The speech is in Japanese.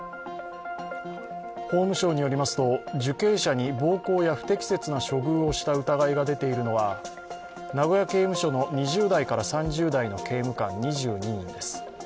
法務省によりますと、受刑者に暴行や不適切な処遇をした疑いが出てきているのは、名古屋刑務所の２０代から３０代の刑務官２２人です。